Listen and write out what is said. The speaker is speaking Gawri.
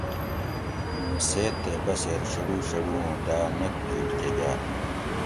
مُوں سیت تے بسیر شڑو شڑو اُوں داۤ نک پھِیٹ کۤہ گاۤ